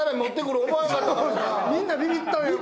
みんなビビったんやもん。